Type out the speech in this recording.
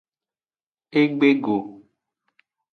Egbe go.